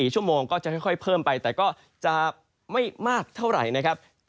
๔ชั่วโมงก็จะค่อยเพิ่มไปแต่ก็จะไม่มากเท่าไหร่นะครับ